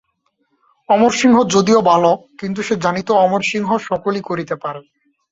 অমরসিংহ যদিও বালক, কিন্তু সে জানিত অমরসিংহ সকলই করিতে পারে।